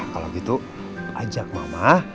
kalau gitu ajak mama